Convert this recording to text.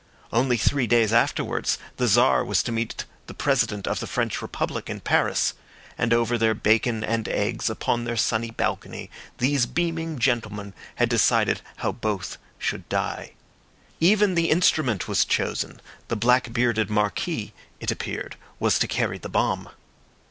Only three days afterwards the Czar was to meet the President of the French Republic in Paris, and over their bacon and eggs upon their sunny balcony these beaming gentlemen had decided how both should die. Even the instrument was chosen; the black bearded Marquis, it appeared, was to carry the bomb.